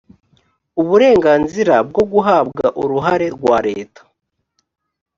uburenganzira bwo guhabwa uruhare rwa leta